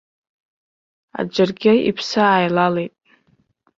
Аџыргьы иԥсы ааилалеит.